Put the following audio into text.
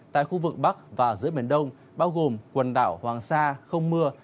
tại khu vực bắc và giữa biển đông bao gồm quần đảo hoàng sa không mưa